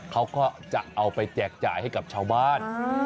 เขาก็จะเอาไปแจกจ่ายให้กับชาวบ้าน